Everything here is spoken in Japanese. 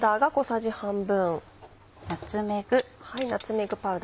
ナツメッグ。